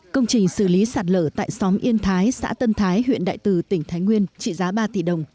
công trình xử lý sạt lở tại xóm yên thái xã tân thái huyện đại từ tỉnh thái nguyên trị giá ba tỷ đồng